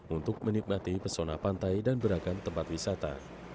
untuk menikmati pesona pantai dan beragam tempat wisata